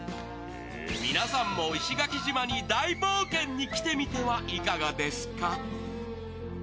皆さんも石垣島に大冒険に来てみてはいかがですか？